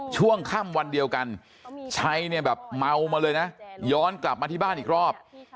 ช่วงค่ำวันเดียวกันชัยเนี่ยแบบเมามาเลยนะย้อนกลับมาที่บ้านอีกรอบ